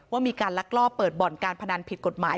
ว่ามีการลักลอบเปิดบ่อนการพนันผิดกฎหมาย